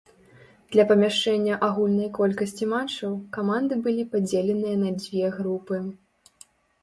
Для памяншэння агульнай колькасці матчаў каманды былі падзеленыя на дзве групы.